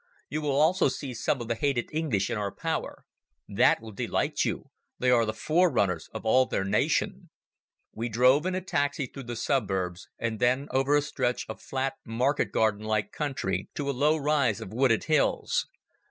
You will also see some of the hated English in our power. That will delight you. They are the forerunners of all their nation." We drove in a taxi through the suburbs and then over a stretch of flat market garden like country to a low rise of wooded hills.